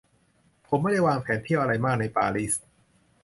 ผมไม่ได้วางแผนเที่ยวอะไรมากในปารีส